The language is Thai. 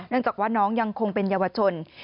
จากว่าน้องยังคงเป็นเยาวชน